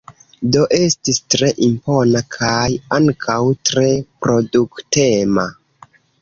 Do estis tre impona kaj ankaŭ tre produktema.